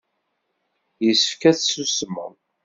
Yessefk ad tsusmeḍ.